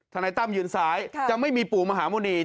นายตั้มยืนซ้ายจะไม่มีปู่มหาหมุณี